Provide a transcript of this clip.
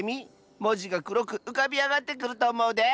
もじがくろくうかびあがってくるとおもうで。